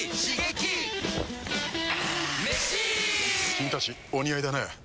君たちお似合いだね。